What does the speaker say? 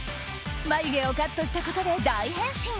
眉毛をカットしたことで大変身。